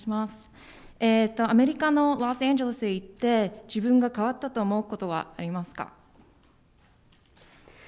アメリカのロサンゼルスに行って自分が変わったと思うことはありますか。